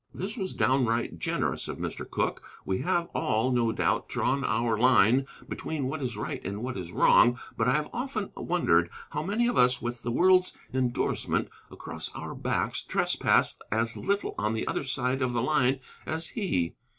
This was downright generous of Mr. Cooke. We have all, no doubt, drawn our line between what is right and what is wrong, but I have often wondered how many of us with the world's indorsement across our backs trespass as little on the other side of the line as he.